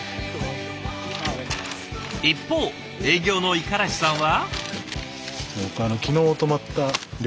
一方営業の五十嵐さんは。